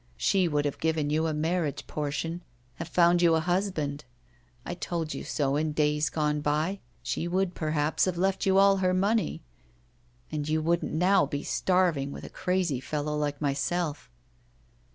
She would have given you a marriage portion, have found you a husband! I told you so in days gone by. She would, perhaps, have left you all her money, and you wouldn't now be starving with a crazy fellow like myself.